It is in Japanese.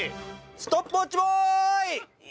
ストップウォッチボーイ。